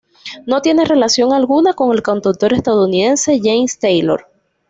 No tiene relación alguna con el cantautor estadounidense, James Taylor.